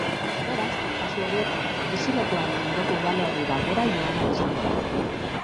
Beraz, kasu horietan, bizilekuaren ondoko udalerri batera joan ahal izango da.